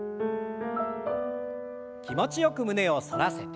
気持ちよく胸を反らせて。